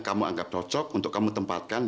kamu anggap cocok untuk kamu tempatkan